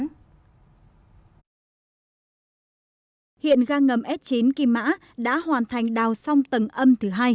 hiện ga ngầm s chín kim mã đã hoàn thành đào song tầng âm thứ hai